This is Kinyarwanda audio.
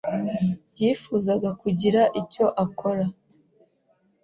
yifuzaga kugira icyo akora.